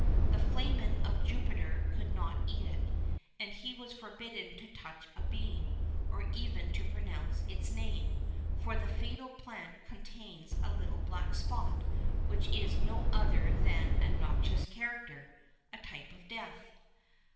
[VIII 1] The Flamen of Jupiter could not eat it, and he was forbidden to touch a bean, or even to pronounce its name;[VIII 2] for the fatal plant contains a little black spot, which is no other than a noxious character a type of death.